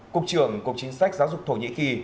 cục trưởng cục chính sách giáo dục thổ nhĩ kỳ